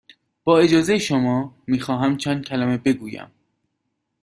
با اجازه شما، می خواهم چند کلمه بگویم.